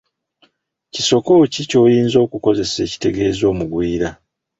Kisoko ki kyoyinza okukoseza ekitegeeza Omugwira?.